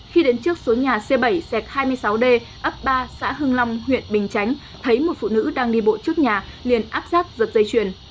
khi đến trước số nhà c bảy xẹt hai mươi sáu d ấp ba xã hưng long huyện bình chánh thấy một phụ nữ đang đi bộ trước nhà liền áp sát giật dây chuyền